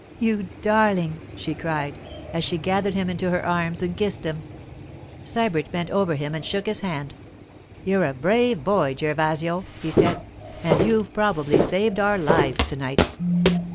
'You darling!' she cried as she gathered him into her arms and kissed him. Sybert bent over him and shook his hand. 'You're a brave boy, Gervasio,' he said; 'and you've probably saved our lives to night.